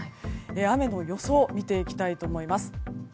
雨の予想見ていきたいと思います。